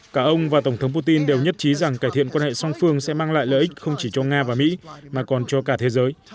cả ông và tổng thống putin đều nhất trí rằng cải thiện quan hệ song phương sẽ mang lại lợi ích không chỉ cho nga và mỹ mà còn cho cả thế giới